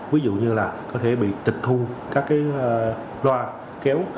ví dụ như là có thể bị tịch thu các cái loa kéo